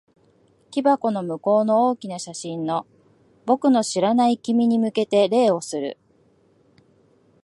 木箱の向こうの大きな写真の、僕の知らない君に向けて礼をする。